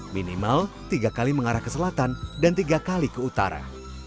minimal tiga kali mengarah ke selatan dan tiga kali ke utara